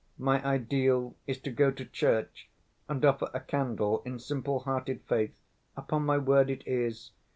My ideal is to go to church and offer a candle in simple‐hearted faith, upon my word it is.